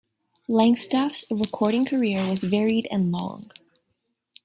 Langstaff's recording career was varied and long.